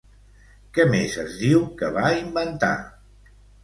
Què més es diu que va inventar?